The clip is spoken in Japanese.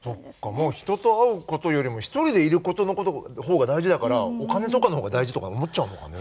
もう人と会うことよりも一人でいることの方が大事だからお金とかの方が大事とか思っちゃうのかね。